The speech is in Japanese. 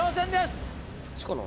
こっちかな？